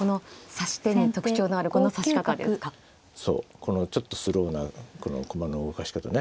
このちょっとスローなこの駒の動かし方ね。